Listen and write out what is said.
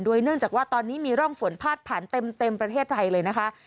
เนื่องจากว่าตอนนี้มีร่องฝนพาดผ่านเต็มประเทศไทยเลยนะคะ